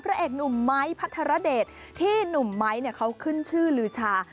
พระเอกหนุ่มไม้พัทรเดชที่หนุ่มไม้เขาขึ้นชื่อลือชา